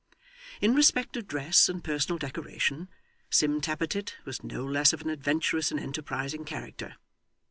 In respect of dress and personal decoration, Sim Tappertit was no less of an adventurous and enterprising character.